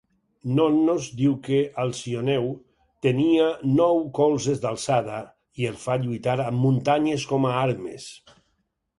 Nonnos diu que Alcioneu tenia nou colzes d'alçada i el fa lluitar amb muntanyes com a armes.